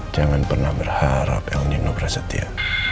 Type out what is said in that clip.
jangan pernah berharap el nino prasetya